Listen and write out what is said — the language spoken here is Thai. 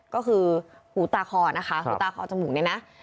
ก็คือหูตาคอนะคะหูตาคอจมูกเนี่ยนะ